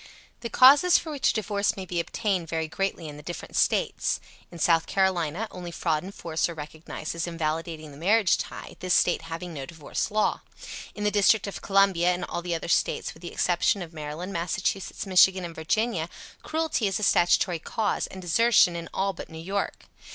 The causes for which a divorce may be obtained vary greatly in the different States. In South Carolina only fraud and force are recognized as invalidating the marriage tie, this State having no divorce law. In the District of Columbia and all the other States with the exception of Maryland, Massachusetts, Michigan and Virginia, cruelty is a statutory cause, and desertion in all but New York.